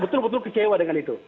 bang sukur bang sukur kalau begitu